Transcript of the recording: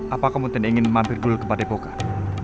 apa kamu tidak ingin mampir dulu ke padepokan